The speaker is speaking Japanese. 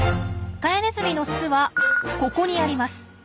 カヤネズミの巣はここにあります。